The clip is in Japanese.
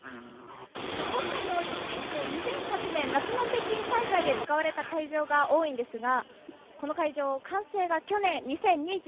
今回のオリンピック２００８年、夏の北京大会で使われた会場が多いんですがこの会場、完成が去年、２０２１年。